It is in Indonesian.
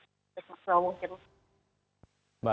semoga semuanya baik